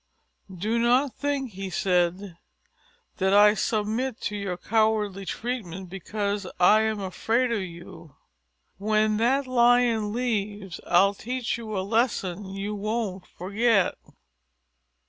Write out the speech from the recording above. "Do not think," he said, "that I submit to your cowardly treatment because I am afraid of you. When that Lion leaves, I'll teach you a lesson you won't forget."